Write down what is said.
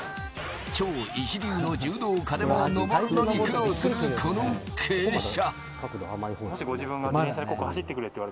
超一流の柔道家でも、上るのに苦労するこの傾斜。